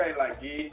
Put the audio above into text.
jadi sekali lagi